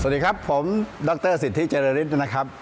สวัสดีครับผมดรสิทธิเจริญฤทธิ์นะครับ